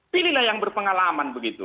pilihlah yang berpengalaman begitu